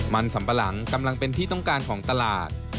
มันสัมปะหลังกำลังเป็นที่ต้องการของตลาด